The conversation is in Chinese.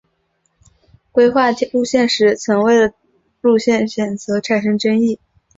规划路线时曾为了路线选择产生争议。